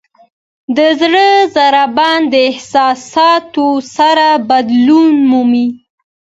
د زړه ضربان د احساساتو سره بدلون مومي.